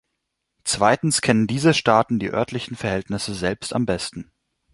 Zweitens kennen diese Staaten die örtlichen Verhältnisse selbst am besten.